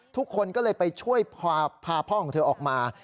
ทุกคนก็เลยไปช่วยพาพ่อของเธอออกมา